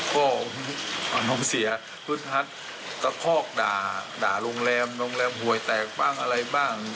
ก็ผมเสียพื้นทัศน์ตะคอกด่าด่าโรงแรมโรงแรมหวยแตกบ้างอะไรบ้าง